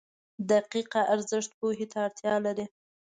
• د دقیقه ارزښت پوهې ته اړتیا لري.